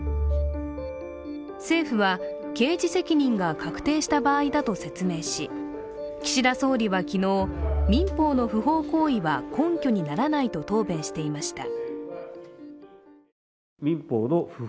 政府は、刑事責任が確定した場合だと説明し岸田総理は昨日、民法の不法行為は根拠にならないと答弁していました。